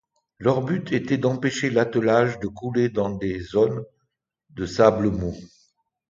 Leur but était d'empêcher l'attelage de couler dans des zones de sable mou.